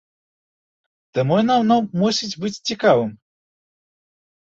Таму яно мусіць быць цікавым!